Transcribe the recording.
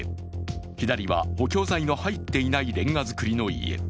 左は補強材の入っていないれんが造りの家。